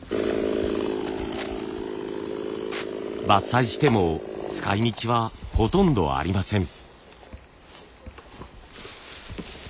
伐採しても使い道はほとんどありません。